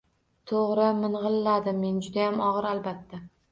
Toʻgʻri, – mingʻirladim men, – judayam ogʻir, albatta.